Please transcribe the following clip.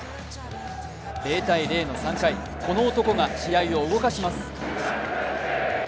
０−０の３回、この男が試合を動かします。